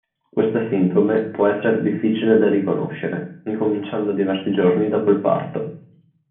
Questa sindrome può essere difficile da riconoscere, incominciando diversi giorni dopo il parto.